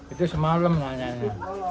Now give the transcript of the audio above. itu semalam nanyanya